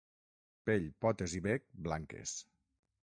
Pell, potes i bec blanques.